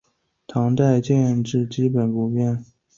唐代建制基本不变。